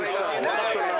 何だよ？